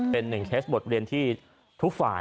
เป็นหนึ่งเคสบทเรียนที่ทุกฝ่าย